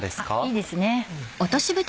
いいですね。